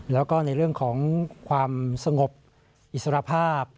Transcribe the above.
แล้วก็ในเรื่องของความสงบอิสรภาพ